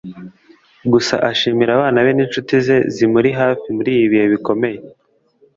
gusa ashimira abana be n’inshuti ze zimuri hafi muri ibi bihe bikomeye